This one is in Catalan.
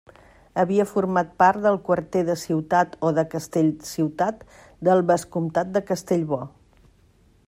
Havia format part del quarter de Ciutat o de Castellciutat del vescomtat de Castellbò.